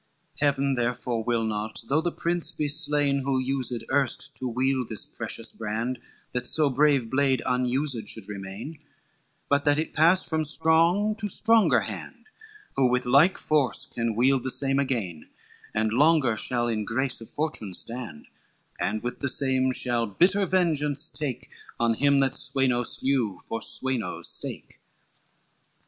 XXXV "'Heaven, therefore, will not, though the prince be slain, Who used erst to wield this precious brand That so brave blade unused should remain; But that it pass from strong to stronger hand, Who with like force can wield the same again, And longer shall in grace of fortune stand, And with the same shall bitter vengeance take On him that Sweno slew, for Sweno's sake.